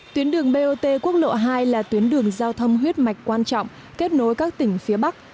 tuyến đường bot quốc lộ hai là tuyến đường giao thông huyết mạch quan trọng kết nối các tỉnh phía bắc